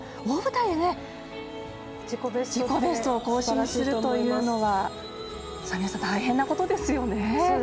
大舞台で自己ベストを更新するというのは大変なことですよね。